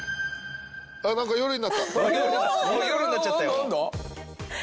夜になっちゃったよ。